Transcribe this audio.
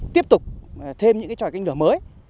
tiếp tục thêm những cái tròi kênh lửa mới